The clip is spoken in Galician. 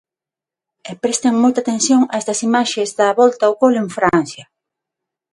E presten moita atención a estas imaxes da volta ao cole en Francia.